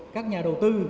các nhà đầu tư